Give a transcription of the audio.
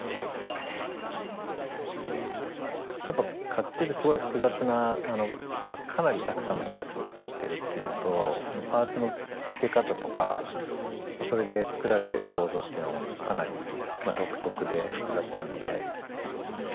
やっぱ甲冑ってすごい複雑なかなりたくさんのパーツを使ってるっていうのとそのパーツの付け方とかそれで作られてる構造っていうのもかなり独特で複雑なので。